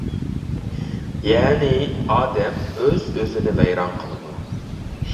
يەنى ئادەم ئۆز ئۆزىنى ۋەيران قىلىدۇ.